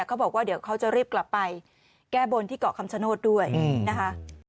เขาบอกว่าเดี๋ยวเขาจะรีบกลับไปแก้บนที่เกาะคำชโนธด้วยนะคะ